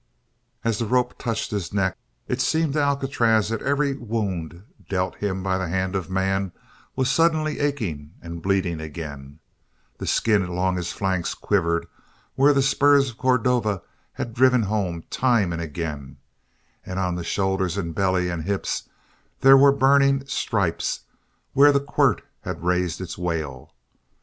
As the rope touched his neck, it seemed to Alcatraz that every wound dealt him by the hand of man was suddenly aching and bleeding again, the skin along his flanks quivered where the spurs of Cordova had driven home time and again, and on shoulders and belly and hips there were burning stripes where the quirt had raised its wale.